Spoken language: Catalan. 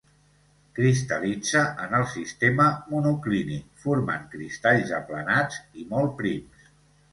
Cristal·litza en el sistema monoclínic formant cristalls aplanats i molt prims.